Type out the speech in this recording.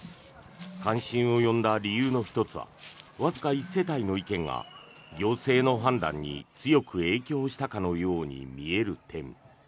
関心を呼んだ理由の１つはわずか１世帯の意見が行政の判断に強く影響したかのように見える点。